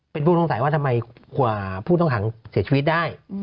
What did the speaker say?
เป็นผู้ต้องสัยว่าทำไมกว่าผู้ต้องขังเสียชีวิตได้